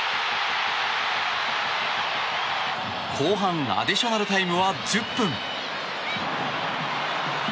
後半アディショナルタイムは１０分。